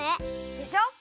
でしょ。